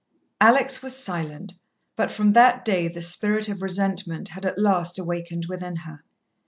Alex was silent, but from that day the spirit of resentment had at last awakened within her.